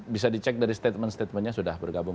bisa dicek dari statement statementnya sudah bergabung